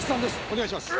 お願いします